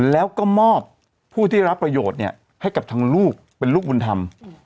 แล้วก็มอบผู้ที่รับประโยชน์เนี่ยให้กับทางลูกเป็นลูกบุญธรรม